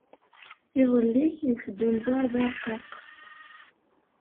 Iḍelli, iwet-d unẓar d arqaq.